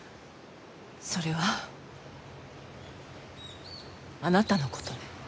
それはあなたの事ね。